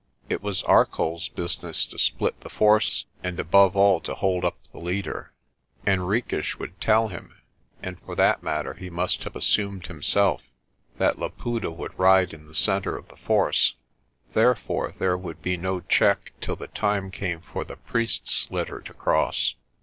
It was ArcolPs business to split the force, and above all to hold up the leader. Henriques would tell him, and for that matter he must have assumed himself, that Laputa would ride in the centre of the force. Therefore there would be no check till the time came for the priest's litter to cross.